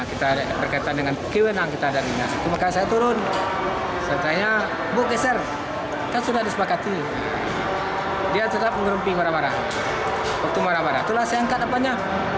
itu marah marah itulah saya angkat apa nya